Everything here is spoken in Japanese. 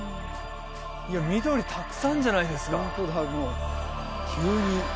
いや緑たくさんじゃないですか